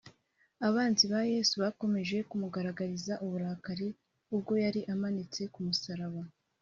abanzi ba yesu bakomeje kumugaragariza uburakari ubwo yari amanitse ku musaraba